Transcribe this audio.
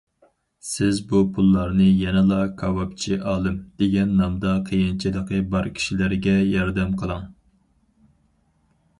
سىز بۇ پۇللارنى يەنىلا‹‹ كاۋاپچى ئالىم›› دېگەن نامدا قىيىنچىلىقى بار كىشىلەرگە ياردەم قىلىڭ.